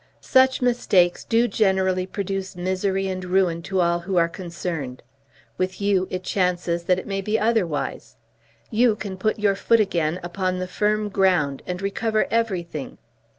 Such mistakes do generally produce misery and ruin to all who are concerned. With you it chances that it may be otherwise. You can put your foot again upon the firm ground and recover everything.